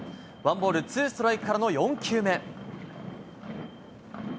ワンボールツーストライクからの４球目。